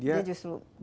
dia justru makan ya